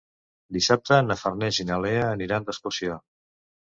Dissabte na Farners i na Lea aniran d'excursió.